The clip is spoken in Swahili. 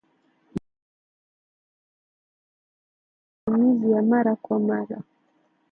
dawa tabia ni hali inayosababishwa na matumizi ya mara kwa mara